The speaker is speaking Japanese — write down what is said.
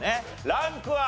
ランクは？